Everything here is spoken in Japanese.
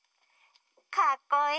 かっこいい！